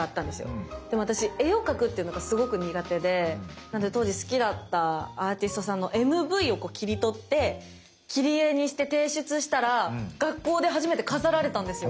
でも私絵を描くっていうのがすごく苦手でなので当時好きだったアーティストさんのＭＶを切り取って切り絵にして提出したら学校で初めて飾られたんですよ。